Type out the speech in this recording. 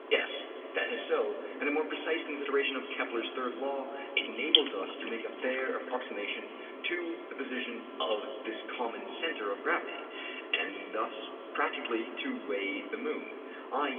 Yes, that is so; and a more precise consideration of Kepler's third law enables us to make a fair approximation to the position of this common centre of gravity, and thus practically to "weigh the moon," i.